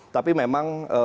tapi memang ada yang tidak